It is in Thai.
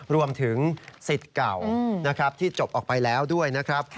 รวมถึงสิทธิ์เก่านะครับที่จบออกไปแล้วด้วยนะครับ